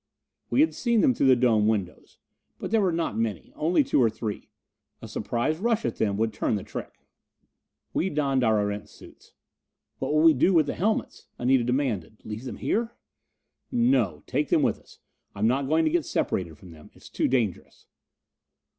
We had seen them through the dome windows. But there were not many only two or three. A surprise rush at them would turn the trick. We donned our Erentz suits. "What will we do with the helmets?" Anita demanded. "Leave them here?" "No take them with us. I'm not going to get separated from them; it's too dangerous."